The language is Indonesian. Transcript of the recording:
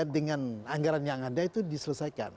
dengan anggaran yang ada itu diselesaikan